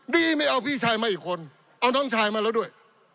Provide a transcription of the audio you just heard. ไม่เอาพี่ชายมาอีกคนเอาน้องชายมาแล้วด้วย